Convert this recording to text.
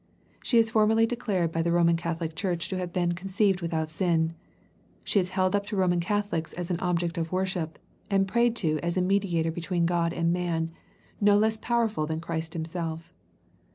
She is formally declared by the Roman Catholic Church to have been ^^ conceived without sin/' She is held up to Roman Catholics as an object of worship, and prayed to as a mediator between God and man, no less powerful than Christ Himself.